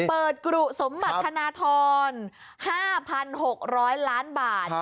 เปิดกรุสมบัติธนธรรม๕๖๐๐ล้านบาท